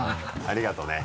ありがとね。